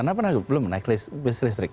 anda pernah belum naik bis listrik